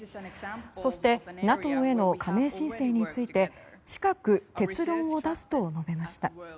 そしてＮＡＴＯへの加盟申請について近く結論を出すと述べました。